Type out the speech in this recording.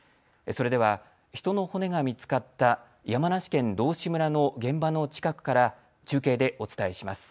それでは人の骨が見つかった山梨県道志村の現場の近くから中継でお伝えします。